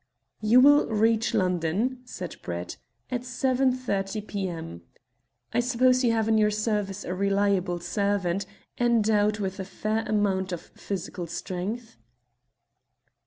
"You will reach London," said Brett, "at 7.30 p.m. I suppose you have in your service a reliable servant, endowed with a fair amount of physical strength?"